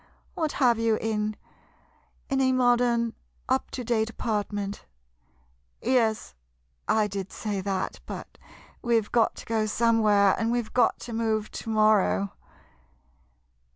What have you in — in a modern up to date apartment ? Yes, I did say that, but we 've got to go somewhere, and we Ve got to move to morrow.